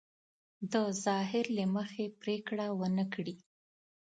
د ظاهر له مخې پرېکړه ونه کړي.